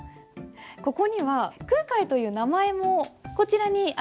ここには空海という名前もこちらにあります。